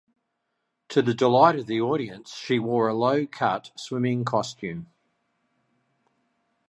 To the delight of the audience she wore a low-cut swimming costume.